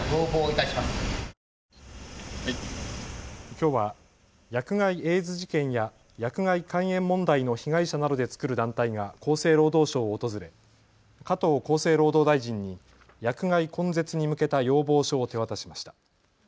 きょうは薬害エイズ事件や薬害肝炎問題の被害者などで作る団体が厚生労働省を訪れ加藤厚生労働大臣に、薬害根絶に向けた要望書を手渡しました。